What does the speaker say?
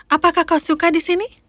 apakah kau suka di sini